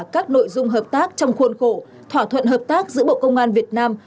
các nội dung hợp tác trong khuôn khổ thỏa thuận hợp tác giữa bộ công an việt nam